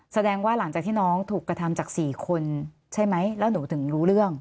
แสดงว่าหลังจากที่น้องถูกกระทำจาก๔คนใช่ไหมแล้วหนูถึงรู้เรื่อง